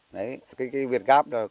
đấy cái việt gáp là cái quả cam